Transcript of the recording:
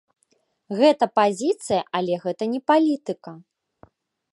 Гэта пазіцыя, але гэта не палітыка.